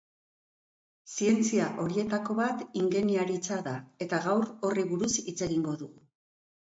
Zientzia horietako bat ingeniaritza da, eta gaur horri buruz hitz egingo dugu.